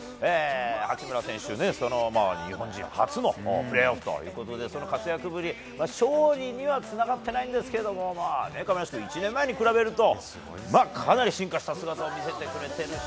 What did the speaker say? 八村選手、日本人初のプレーオフということでその活躍ぶり、勝利にはつながってないんですけど亀梨君、１年前に比べるとかなり進化している姿を見せてくれているし